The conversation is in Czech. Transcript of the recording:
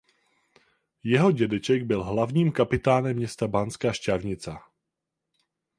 Jeho dědeček byl hlavním kapitánem města Banská Štiavnica.